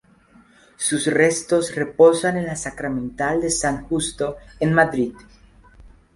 Sus restos reposan en la Sacramental de San Justo en Madrid.